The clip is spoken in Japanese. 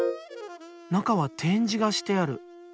中は展示がしてある。